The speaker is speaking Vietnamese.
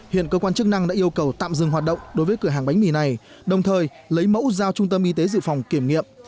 hiện cơ quan chức năng đã yêu cầu tạm dừng hoạt động đối với cửa hàng bánh mì này đồng thời lấy mẫu giao trung tâm y tế dự phòng kiểm nghiệm